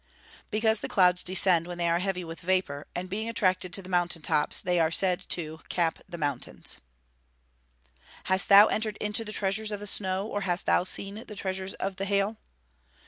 "_ Because the clouds descend when they are heavy with vapour, and being attracted to the mountain tops they are said to "cap the mountains." [Verse: "Hast thou entered into the treasures of the snow; or hast thou seen the treasures of the hail."